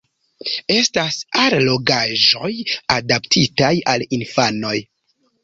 Estas allogaĵoj adaptitaj al infanoj.